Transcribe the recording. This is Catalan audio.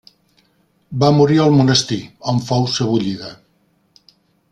Va morir al monestir, on fou sebollida.